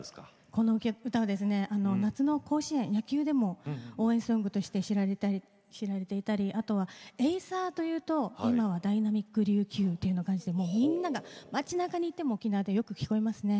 この歌は夏の甲子園、野球でも応援ソングとして知られていたりあとはエイサーというと今は「ダイナミック琉球」っていう感じでもうみんなが、町なかに行っても沖縄でよく聴こえますね。